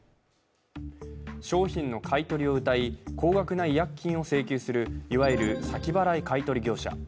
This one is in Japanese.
商品の買い取りをうたい高額な違約金を請求するいわゆる先払い買い取り業者。